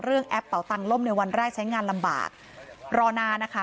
แอปเป่าตังล่มในวันแรกใช้งานลำบากรอนานนะคะ